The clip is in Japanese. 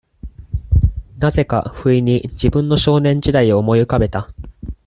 何故か、不意に、自分の少年時代を思い浮かべた。